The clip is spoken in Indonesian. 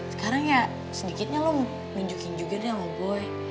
sekarang ya sedikitnya lo nunjukin juga deh sama gue